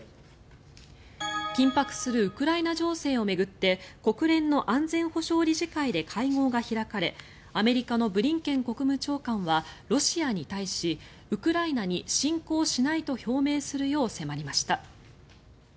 緊迫するウクライナ情勢を巡って国連の安全保障理事会で会合が開かれアメリカのブリンケン国務長官はロシアに対しウクライナに侵攻しないと表明するよう迫りました。